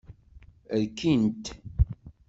Rkin-t.